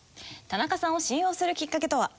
田中さんを信用するきっかけとは？